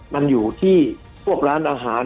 มันอยู่ที่พวกร้านอาหาร